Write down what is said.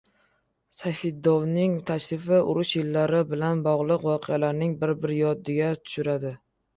Sayfiddinovning tashrifi urush yillari bilan bog‘liq voqealarni bir-bir yodiga tushirdi.